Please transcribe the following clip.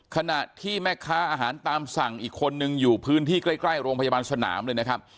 ขณะที่แม่ค้าอาหารตามสั่งอีกคนนึงอยู่พื้นที่ใกล้โรงพยาบาลสนามเลยนะครับ